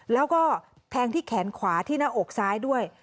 แล้วก็แทงที่แขนขวาที่หน้าอกซ้ายด้วย